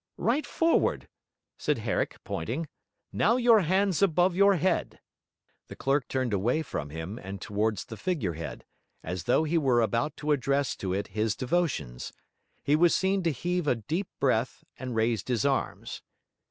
'Right forward,' said Herrick, pointing. 'Now your hands above your head.' The clerk turned away from him and towards the figure head, as though he were about to address to it his devotions; he was seen to heave a deep breath; and raised his arms.